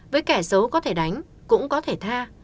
với kẻ xấu có thể đánh cũng có thể tha